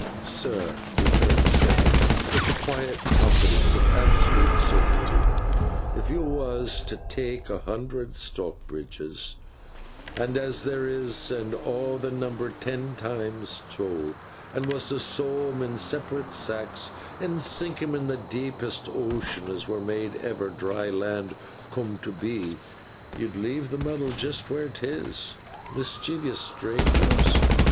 'Sir,' returned Stephen, with the quiet confidence of absolute certainty, 'if yo was t' tak a hundred Slackbridges—aw as there is, and aw the number ten times towd—an' was t' sew 'em up in separate sacks, an' sink 'em in the deepest ocean as were made ere ever dry land coom to be, yo'd leave the muddle just wheer 'tis. Mischeevous strangers!